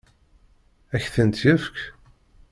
Ad k-ten-yefk?